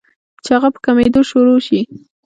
چې هغه پۀ کمېدو شورو شي